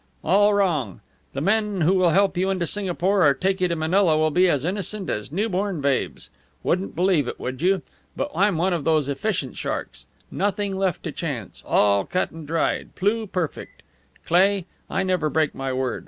"All wrong! The men who will help you into Singapore or take you to Manila will be as innocent as newborn babes. Wouldn't believe it, would you, but I'm one of those efficiency sharks. Nothing left to chance; all cut and dried; pluperfect. Cleigh, I never break my word.